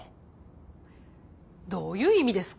どういう意味ですか？